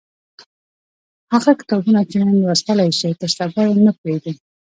هغه کتابونه چې نن لوستلای شئ تر سبا یې مه پریږدئ.